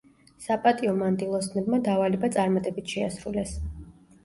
საპატიო მანდილოსნებმა დავალება წარმატებით შეასრულეს.